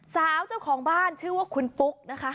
เจ้าของบ้านชื่อว่าคุณปุ๊กนะคะ